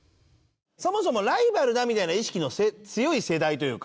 そもそも「ライバルだ」みたいな意識の強い世代というか。